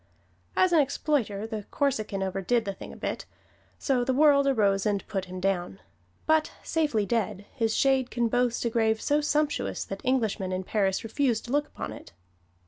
As an exploiter, the Corsican overdid the thing a bit so the world arose and put him down; but safely dead, his shade can boast a grave so sumptuous that Englishmen in Paris refuse to look upon it.